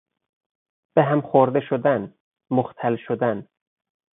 به هم خورده شدن، مختل شدن